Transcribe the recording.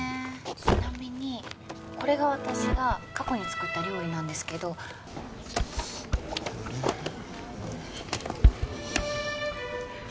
ちなみにこれが私が過去に作った料理なんですけどあれ？